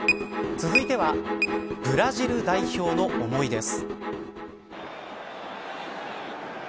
続いてはブラジル代表の思いです。